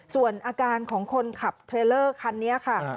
ส่วนอาการของคนขับเทรลเลอร์คันนี้ค่ะ